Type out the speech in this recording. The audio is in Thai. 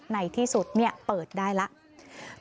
ในที่สุดเปิดได้แล้ว